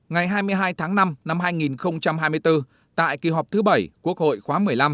ngày hai mươi hai tháng năm năm hai nghìn hai mươi bốn tại kỳ họp thứ bảy quốc hội khóa một mươi năm